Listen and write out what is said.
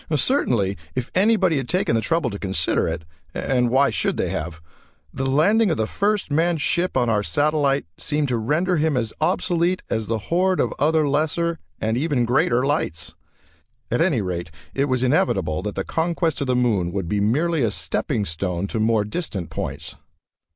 Certainly if anybody had taken the trouble to consider it and why should they have? the landing of the first manned ship on our satellite seemed to render him as obsolete as a horde of other lesser and even greater lights. At any rate, it was inevitable that the conquest of the moon would be merely a stepping stone to more distant points.